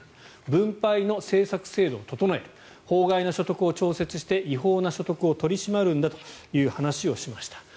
分配の政策・制度を整える法外な所得を調節して違法な所得を取り締まるんだという話をしました。